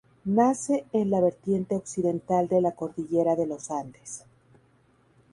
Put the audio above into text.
Nace en la vertiente occidental de la cordillera de los Andes.